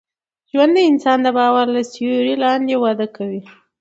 ژوند د انسان د باور له سیوري لاندي وده کوي.